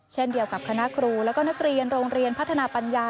เช่นเดียวกับคณะครูแล้วก็นักเรียนโรงเรียนพัฒนาปัญญา